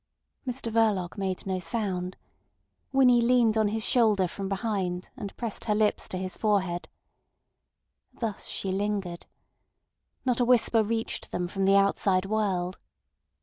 Mr Verloc made no sound. Winnie leaned on his shoulder from behind, and pressed her lips to his forehead. Thus she lingered. Not a whisper reached them from the outside world.